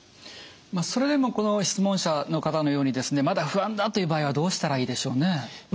それでもこの質問者の方のようにですねまだ不安だという場合はどうしたらいいでしょうね？